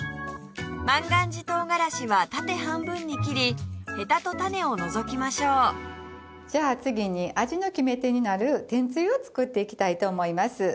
万願寺唐辛子は縦半分に切りヘタと種を除きましょうじゃあ次に味の決め手になる天つゆを作っていきたいと思います。